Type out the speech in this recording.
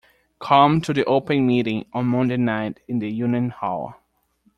Come to the Open Meeting on Monday night in the Union Hall.